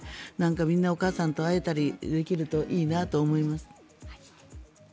みんなお母さんと会えたりできるといいなと思います。